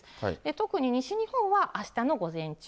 特に西日本はあしたの午前中。